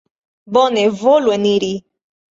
Bone, volu eniri.